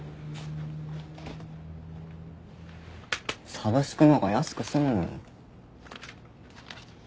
サブスクの方が安く済むのに。